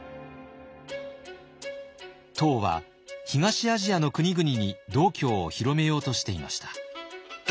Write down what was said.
唐は東アジアの国々に道教を広めようとしていました。